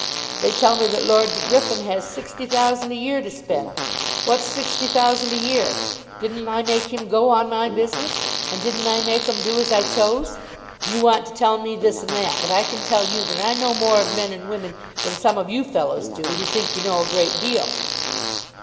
They tell me that Lord De Griffin has sixty thousand a year to spend. What's sixty thousand a year? Didn't I make him go on my business? And didn't I make 'em do as I chose? You want to tell me this and that, but I can tell you that I know more of men and women than some of you fellows do, who think you know a great deal."